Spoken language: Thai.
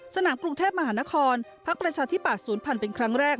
สนามกรุงเทพมหานครพักประชาธิบัตย์ศูนย์พันธุ์เป็นครั้งแรก